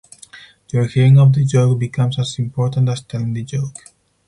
Your hearing of the joke becomes as important as telling the joke.